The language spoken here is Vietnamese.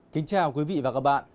kính chào quý vị và các bạn